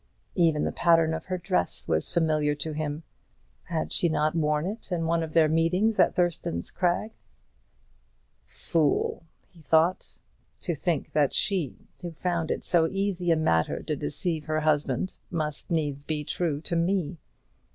Even the pattern of her dress was familiar to him. Had she not worn it in one of their meetings at Thurston's Crag? "Fool!" he thought, "to think that she, who found it so easy a matter to deceive her husband, must needs be true to me.